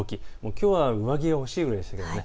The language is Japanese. きょうは上着が欲しいぐらいでしたよね。